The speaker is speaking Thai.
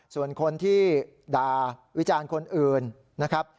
ส่วนคนที่ด่าวิจารณ์คนอื่นนะครับ